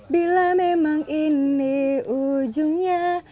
bila memang ini ujungnya